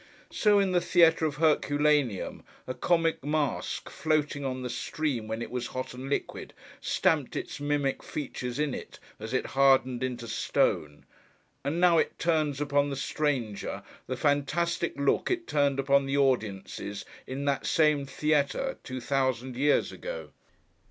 So, in the theatre of Herculaneum, a comic mask, floating on the stream when it was hot and liquid, stamped its mimic features in it as it hardened into stone; and now, it turns upon the stranger the fantastic look it turned upon the audiences in that same theatre two thousand years ago.